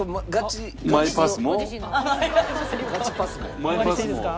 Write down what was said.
お借りしていいですか？